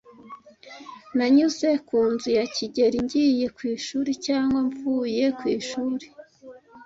Nanyuze ku nzu ya kigeli ngiye ku ishuri cyangwa mvuye ku ishuri.